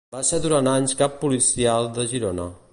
Va ser durant anys cap policial de Girona.